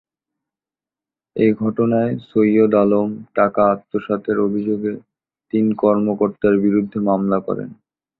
এ ঘটনায় ছৈয়দ আলম টাকা আত্মসাতের অভিযোগে তিন কর্মকর্তার বিরুদ্ধে মামলা করেন।